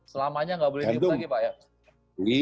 selamanya nggak boleh dihukum lagi pak